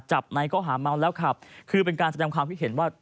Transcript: จับในก็หามะวนแล้วครับคือเป็นการสัยใจกรรมความพิเศษว่า